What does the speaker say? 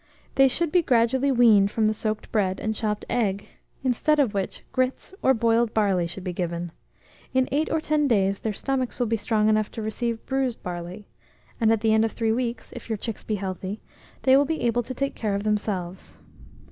They should be gradually weaned from the soaked bread and chopped egg, instead of which grits or boiled barley should be given; in 8 or 10 days their stomachs will be strong enough to receive bruised barley, and at the end of 3 weeks, if your chicks be healthy, they will be able to take care of themselves.